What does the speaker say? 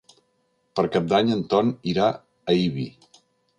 Per Cap d'Any en Ton irà a Ibi.